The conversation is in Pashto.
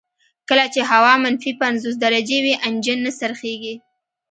کله چې هوا منفي پنځوس درجې وي انجن نه څرخیږي